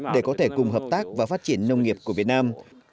để có thể cùng hợp tác và phát triển nông nghiệp của việt nam